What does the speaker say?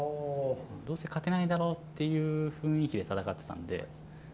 どうせ勝てないだろうっていう雰囲気で戦ってたんで。